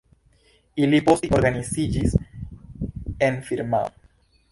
Ili poste organiziĝis en firmao.